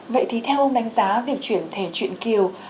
vậy thì theo ông đánh giá việc chuyển thể chuyện kiều